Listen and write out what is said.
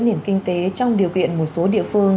nền kinh tế trong điều kiện một số địa phương